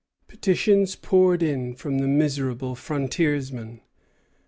Petitions poured in from the miserable frontiersmen.